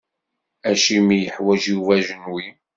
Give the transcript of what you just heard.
Acimi i yeḥwaǧ Yuba ajenwi?